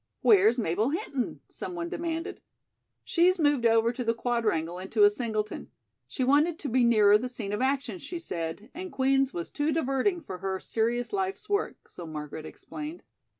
"Where's Mabel Hinton?" someone demanded. "She's moved over to the Quadrangle into a singleton. She wanted to be nearer the scene of action, she said, and Queen's was too diverting for her serious life's work," so Margaret explained.